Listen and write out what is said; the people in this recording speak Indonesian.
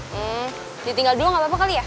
hmm ditinggal dulu gak apa apa kali ya